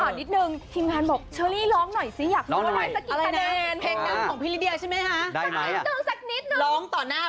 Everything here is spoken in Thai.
ห่านิดหนึ่งทีมงานผมบอก้าเชิลลี่ร้องหน่อยสิอยากรู้กันจะได้สักกี่คะแนน